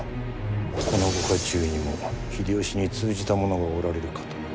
このご家中にも秀吉に通じた者がおられるかと。